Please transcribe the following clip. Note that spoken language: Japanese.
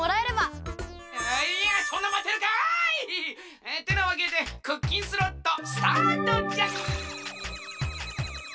あいやそんなまてるかい！ってなわけでクッキンスロットスタートじゃ！